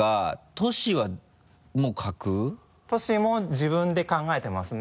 都市も自分で考えてますね。